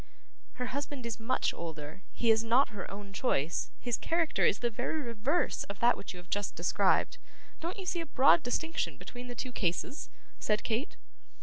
'Her husband is much older; he is not her own choice; his character is the very reverse of that which you have just described. Don't you see a broad destinction between the two cases?' said Kate.